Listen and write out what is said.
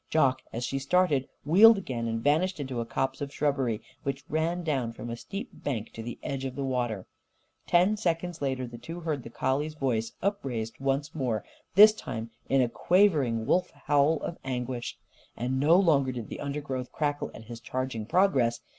Jock, as she started, wheeled again and vanished into a copse of shrubbery which ran down from a steep bank to the edge of the water. Ten seconds later the two heard the collie's voice upraised once more, this time in a quavering wolf howl of anguish. And no longer did the undergrowth crackle at his charging progress.